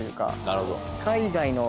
なるほど。